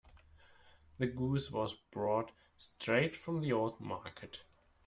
The goose was brought straight from the old market.